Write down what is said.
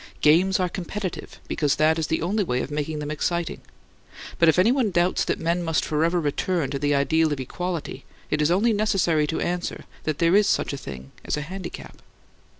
Games are competitive, because that is the only way of making them exciting. But if anyone doubts that men must forever return to the ideal of equality, it is only necessary to answer that there is such a thing as a handicap.